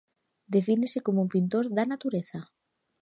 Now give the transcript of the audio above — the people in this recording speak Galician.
Defínese como un pintor da natureza.